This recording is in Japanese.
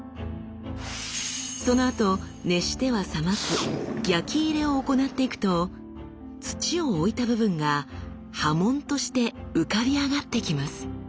そのあと熱しては冷ます焼き入れを行っていくと土を置いた部分が刃文として浮かび上がってきます。